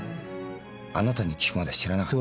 あなたに聞くまで知らなかった。